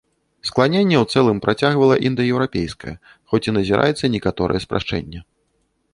Скланенне ў цэлым працягвала індаеўрапейскае, хоць і назіраецца некаторае спрашчэнне.